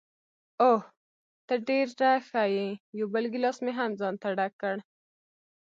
اوه، ته ډېره ښه یې، یو بل ګیلاس مې هم ځانته ډک کړ.